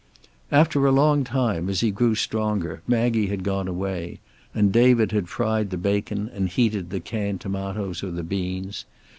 After a long time, as he grew stronger, Maggie had gone away, and David had fried the bacon and heated the canned tomatoes or the beans.